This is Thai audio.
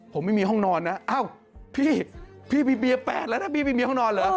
ผมไม่มีห้องนอนนะพี่มีเมีย๘แล้วนะพี่มีเมียห้องนอนเหรอ